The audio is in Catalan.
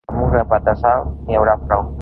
Amb un grapat de sal n'hi haurà prou.